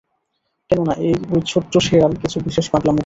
কেননা ওই ছোট্ট শেয়াল কিছু বিশেষ পাগলামো করছে।